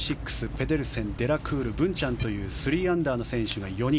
ペデルセン、ブンチャンという３アンダーの選手が３人。